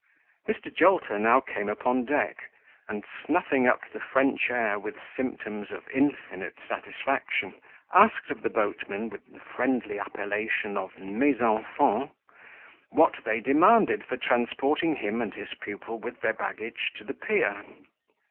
Mr. Jolter now came upon deck, and, snuffing up the French air with symptoms of infinite satisfaction, asked of the boatmen, with the friendly appellation of Mes enfants, what they demanded for transporting him and his pupil with their baggage to the pier.